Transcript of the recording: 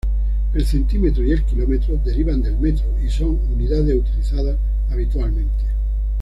El "centímetro" y el "kilómetro" derivan del metro, y son unidades utilizadas habitualmente.